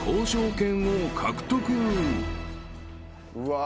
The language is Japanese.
うわ。